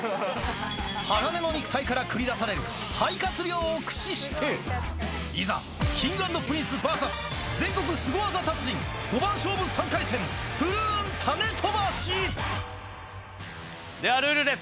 はがねの肉体から繰り出される肺活量を駆使して、いざ、Ｋｉｎｇ＆ＰｒｉｎｃｅＶＳ全国スゴ技達人５番勝負３回戦、ではルールです。